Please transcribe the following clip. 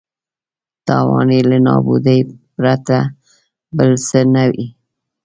تاوان یې له نابودۍ پرته بل څه نه وي.